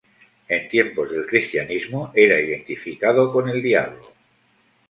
En tiempos del cristianismo, era identificado con el diablo.